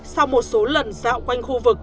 sau một số lần dạo quanh khu vực